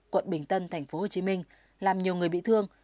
quận bình tân tp hcm làm nhiều người bị thương